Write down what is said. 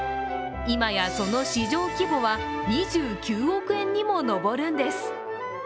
今やその市場規模は２９億円にも上るんです。